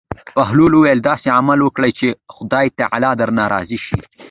بهلول وویل: داسې عمل وکړه چې خدای تعالی درنه راضي شي.